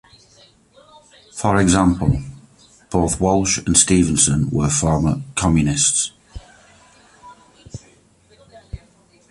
For example, both Walsh and Stephensen were former Communists.